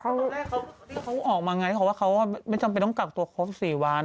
เขาออกมาไงเขาว่าเขาไม่จำเป็นต้องกักตัวครบ๔วัน